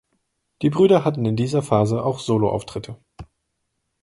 Die Brüder hatten in dieser Phase auch Soloauftritte.